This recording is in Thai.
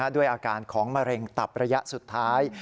ด้วยอาการของมะเร็งตับระยะสุดท้าย